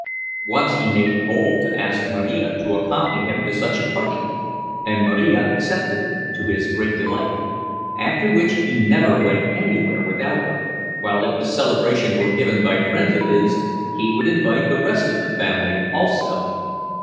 Once he made bold to ask Marija to accompany him to such a party, and Marija accepted, to his great delight—after which he never went anywhere without her, while if the celebration were given by friends of his, he would invite the rest of the family also.